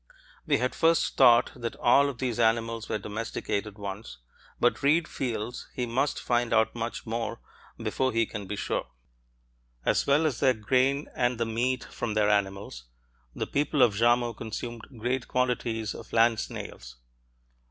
We had first thought that all of these animals were domesticated ones, but Reed feels he must find out much more before he can be sure. As well as their grain and the meat from their animals, the people of Jarmo consumed great quantities of land snails.